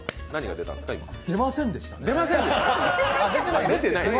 出ませんでした。